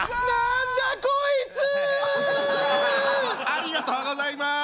ありがとうございます！